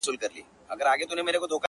هر انسان د مینې وړ دی.